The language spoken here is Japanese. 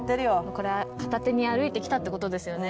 これは片手に歩いてきたって事ですよね。